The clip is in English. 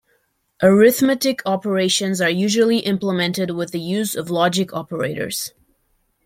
Arithmetic operations are usually implemented with the use of logic operators.